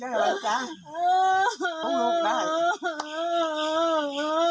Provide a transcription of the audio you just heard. ต้องลุกนะ